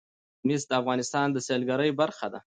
مس د افغانستان د سیلګرۍ برخه ده.